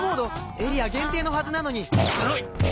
⁉エリア限定のはずなのに！